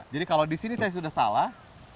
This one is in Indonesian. jadi kalau disini saya sudah salah